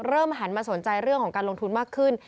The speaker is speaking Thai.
หันมาสนใจเรื่องของการลงทุนมากขึ้น